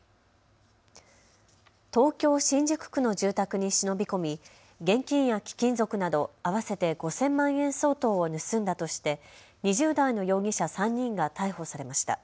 東京新宿区の住宅に忍び込み現金や貴金属など合わせて５０００万円相当を盗んだとして２０代の容疑者３人が逮捕されました。